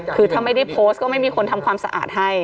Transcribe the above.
คือถ้าไม่ได้โพสต์ก็ไม่มีคนทำความสะอาดให้